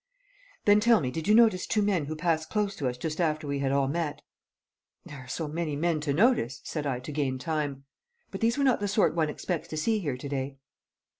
"Then tell me, did you notice two men who passed close to us just after we had all met?" "There are so many men to notice," said I to gain time. "But these were not the sort one expects to see here to day."